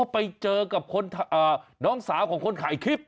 ไปเจอกับน้องสาวของคนถ่ายคลิป